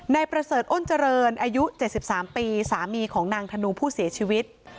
ประเสริฐอ้นเจริญอายุ๗๓ปีสามีของนางธนูผู้เสียชีวิต